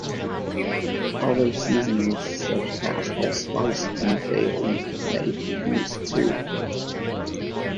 Other seasonings such as allspice and bay leaf may be used too.